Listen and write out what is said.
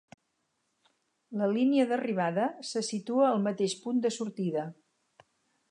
La línia d'arribada se situa al mateix punt de sortida.